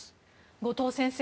後藤先生